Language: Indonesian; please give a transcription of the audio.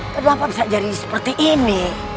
kenapa saya jadi seperti ini